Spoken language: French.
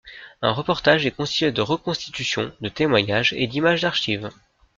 Un reportage est constitué de reconstitutions, de témoignages et d'images d'archive.